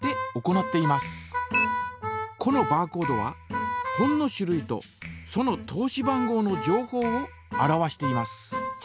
このバーコードは本の種類とその通し番号の情報を表しています。